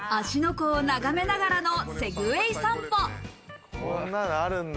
湖を眺めながらのセグウェイ散歩。